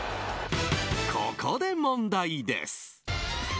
ここで問題です。